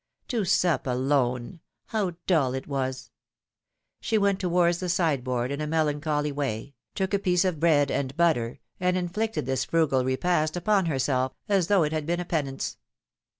To sup alone ! how dull it was ! She went towards the sideboard in a melancholy way, took a piece of bread and butter, and inflicted this frugal repast upon herself as though it had been a pen ance.